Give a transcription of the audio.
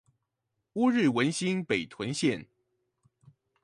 烏日文心北屯線